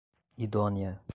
idônea